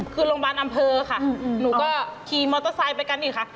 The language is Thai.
คือโรงพยาบาลอำเภอค่ะหนูก็ขี่มอเตอร์ไซค์ไปกันอีกค่ะ